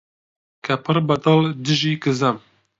کە پڕبەدڵ دژی گزەم؟!